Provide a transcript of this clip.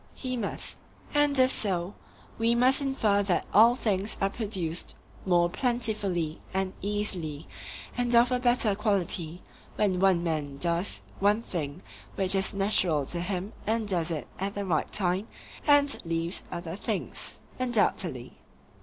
He must. And if so, we must infer that all things are produced more plentifully and easily and of a better quality when one man does one thing which is natural to him and does it at the right time, and leaves other things. Undoubtedly.